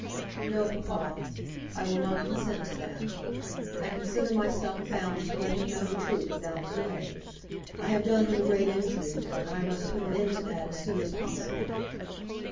"No, papa; I will not consent to that. I consider myself bound to let him know the truth without delay. I have done him a great injury, and I must put an end to that as soon as possible."